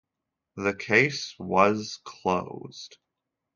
The case was closed.